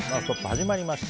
始まりました。